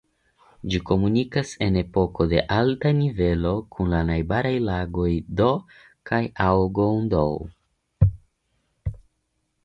Ĝi komunikas en epoko de alta nivelo kun la najbaraj lagoj Do kaj Aougoundou.